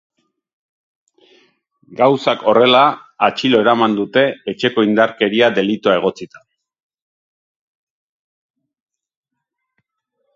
Gauzak horrela, atxilo eraman dute etxeko indarkeria delitua egotzita.